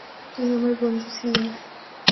তুমি আমার বন্ধু ছিলে!